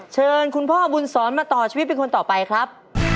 เชิญคุณพ่อบุญสอนมาต่อชีวิตเป็นคนต่อไปครับ